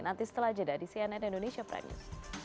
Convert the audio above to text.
nanti setelah jeda di cnn indonesia prime news